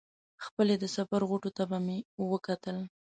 خپلې د سفر غوټو ته به مې وکتل.